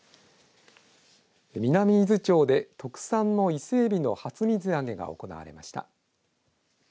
南伊豆町で特産の伊勢エビの初水揚げが行われました。